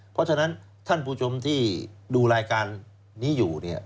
เพราะฉะนั้นท่านผู้ชมที่ดูรายการนี้อยู่เนี่ย